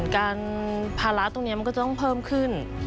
การภาระตรงนี้มันก็จะต้องเพิ่มขึ้น